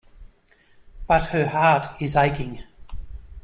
But her heart is aching.